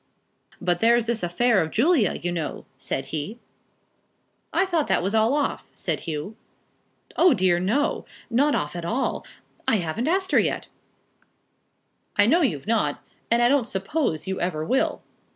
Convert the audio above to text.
"But there's this affair of Julia, you know," said he. "I thought that was all off," said Hugh. "O dear, no; not off at all. I haven't asked her yet." "I know you've not; and I don't suppose you ever will."